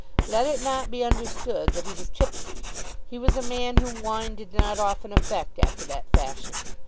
Let it not be understood that he was tipsy. He was a man whom wine did not often affect after that fashion.